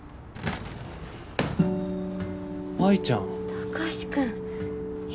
貴司君。